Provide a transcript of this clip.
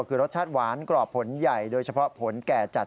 คือรสชาติหวานกรอบผลใหญ่โดยเฉพาะผลแก่จัด